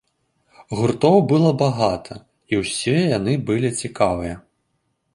Гуртоў было багата і ўсе яны былі цікавыя.